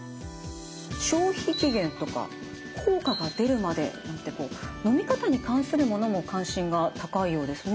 「消費期限」とか「効果が出るまで」なんてのみ方に関するものも関心が高いようですね。